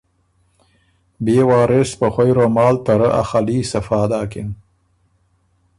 بيې وارث په خوئ رومال ته رۀ ا خلي صفا داکِن